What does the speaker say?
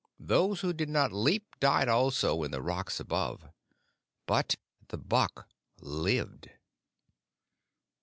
Those who did not leap died also in the rocks above. But the buck lived."